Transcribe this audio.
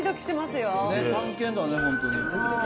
探検だね、本当に。